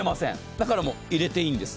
だから、入れていいんです。